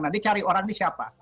nah dia cari orangnya siapa